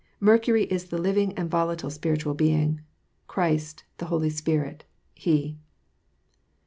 Mercury is the living and volatile, spiritual being, — Christ, the Holy Spirit, Be.